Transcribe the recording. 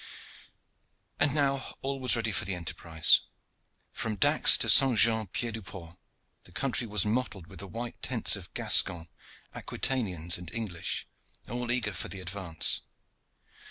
And now all was ready for the enterprise. From Dax to St. Jean Pied du Port the country was mottled with the white tents of Gascons, Aquitanians and English, all eager for the advance.